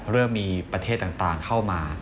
เริ่มมีประเทศต่างเข้ามา